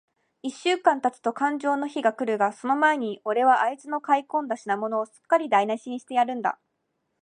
一週間たつとかんじょうの日が来るが、その前に、おれはあいつの買い込んだ品物を、すっかりだいなしにしてやるんだ。